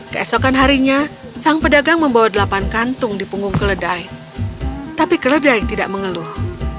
keesokan harinya sang pedagang membawa delapan kantung di punggung keledai tapi keledai tidak mengeluh